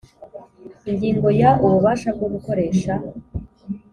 Ingingo Ya Ububasha Bwo Gukoresha